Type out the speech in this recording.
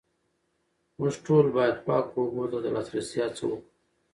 موږ ټول باید پاکو اوبو ته د لاسرسي هڅه وکړو